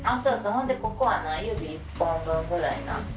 ほんでここはな指１本分ぐらいな。